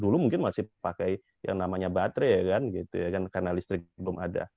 dulu mungkin masih pakai yang namanya baterai kan gitu ya kan karena listrik belum ada